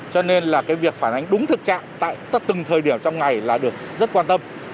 cho nên là cái việc phản ánh đúng thực trạng tại từng thời điểm trong ngày là được rất quan tâm